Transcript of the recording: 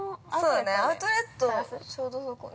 ◆そうだね、アウトレットちょうどそこに。